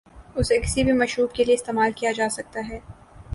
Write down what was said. اسے کسی بھی مشروب کے لئے استعمال کیا جاسکتا ہے ۔